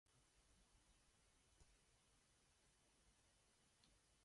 The closest community is Port Simpson.